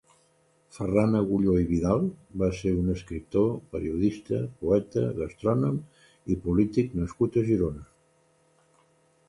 Ferran Agulló i Vidal va ser un escriptor, periodista, poeta, gastrònom i polític nascut a Girona.